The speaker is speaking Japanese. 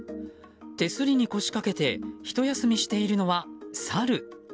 手すりに腰かけてひと休みしているのはサル。